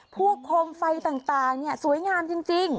พวกโครมไฟต่างนี่สวยงามจริง